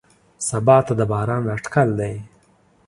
سبا ته د باران اټکل دی.